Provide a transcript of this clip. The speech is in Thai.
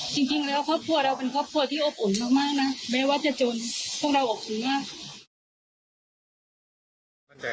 จริงแล้วครอบครัวเราเป็นครอบครัวที่อบอุ่นมากนะแม้ว่าจะจนพวกเราออกสื่อมาก